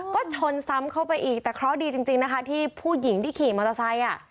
ก็ชนซ้ำเข้าไปอีกแต่เคราะห์ดีจริงนะคะที่ผู้หญิงที่ขี่มอเตอร์ไซค์อ่ะ